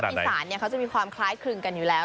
อีสานเขาจะมีความคล้ายคลึงกันอยู่แล้ว